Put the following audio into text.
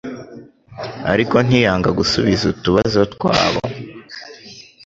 ariko ntiyanga gusubiza utubazo twabo,